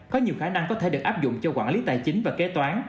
có nhiều khả năng có thể được áp dụng cho quản lý tài chính và kế toán